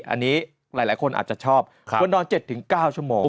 อันนี้หลายหลายคนอาจจะชอบค่ะควรนอนเจ็ดถึงเก้าชั่วโมง